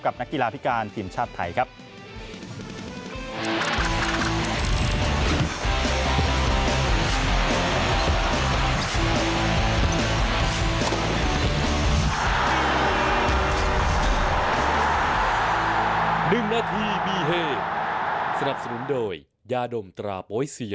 นักกีฬาพิการทีมชาติไทยครับ